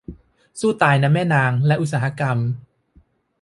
สู้ตายนะแม่นางและอุตสาหกรรม